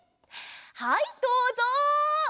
はいどうぞ！